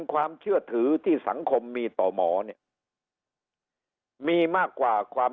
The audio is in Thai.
ความเชื่อถือที่สังคมมีต่อหมอเนี่ยมีมากกว่าความ